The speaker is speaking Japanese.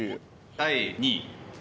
第２位。